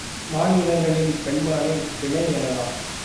மான் இனங்களின் பெண் மானைப் பிணை எனலாம்.